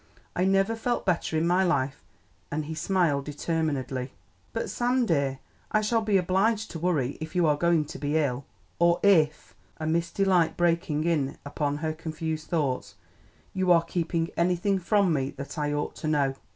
I never felt better in my life." And he smiled determinedly. "But, Sam dear, I shall be obliged to worry if you are going to be ill, or if " a misty light breaking in upon her confused thoughts, "you are keeping anything from me that I ought to know.